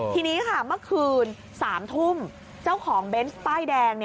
ทีนี้ค่ะเมื่อคืน๓ทุ่มเจ้าของเบนส์ป้ายแดง